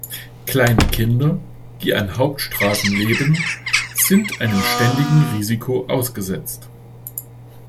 Kleine Kinder, die an Hauptstraßen leben, sind einem ständigen Risiko ausgesetzt.